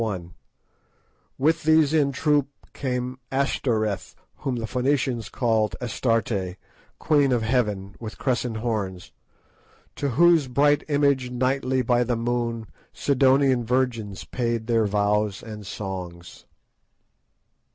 — "With these in troop Came Ashtoreth, whom the Phoenicians called Astarté, Queen of Heaven, with crescent horns; To whose bright image nightly by the moon Sidonian virgins paid their vows and songs."